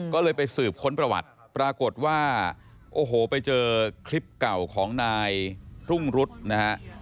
ก็เลยไปสืบค้นประวัติปรากฏว่าโอ้โหไปเจอคลิปเก่าของนายรุ่งรุษนะฮะ